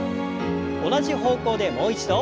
同じ方向でもう一度。